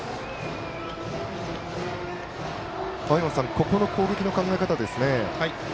ここの攻撃の考え方ですね。